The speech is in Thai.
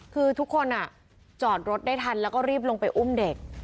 คือทุกคนจอดรถได้ทันแล้วก็รีบลงไปอุ้มเด็ก